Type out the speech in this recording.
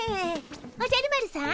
おじゃる丸さん。